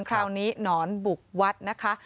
คราวนี้หนอนบุกวัดนะคะ